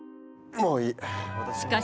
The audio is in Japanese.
もういい！